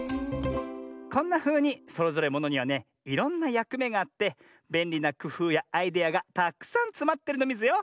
こんなふうにそれぞれものにはねいろんなやくめがあってべんりなくふうやアイデアがたくさんつまってるのミズよ！